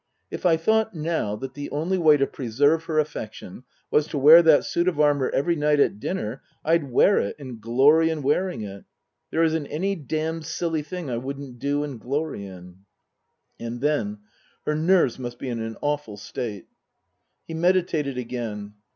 If I thought now that the only way to preserve her affection was to wear that suit of armour every night at dinner I'd wear it and glory in wearing it. There isn't any damned silly thing I wouldn't do and glory in." And then " Her nerves must be in an awful state." He meditated again.